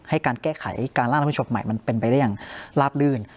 ให้การแก้ไขการร่างรัฐผู้ชมใหม่มันเป็นไปได้อย่างลาบลื่น